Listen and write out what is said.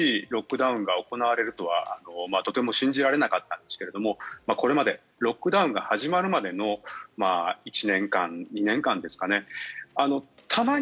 実際に上海でこんな厳しいロックダウンが行われるとは思っていなかったんですがこれまでロックダウンが始まるまでの１年間２年間ですかね。